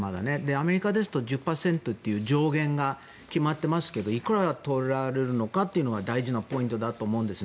アメリカですと１０％という上限が決まっていますけどいくらとられるのかは大事なポイントだと思うんです。